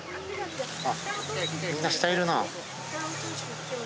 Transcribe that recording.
あっみんな下いるな。